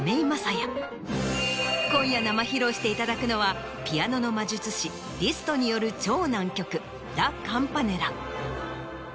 今夜生披露していただくのはピアノの魔術師リストによる超難曲『ラ・カンパネラ』。